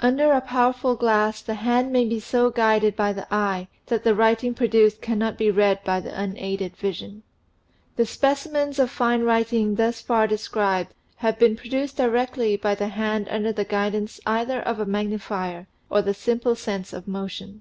Under a powerful glass the hand may be so guided by the eye that the writing produced cannot be read by the unaided vision. The specimens of fine writing thus far described have been produced directly by the hand under the guidance either of a magnifier or the simple sense of motion.